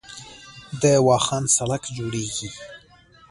د واخان سړک جوړیږي